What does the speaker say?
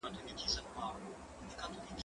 کتابتون له کتابتون ښه دی؟!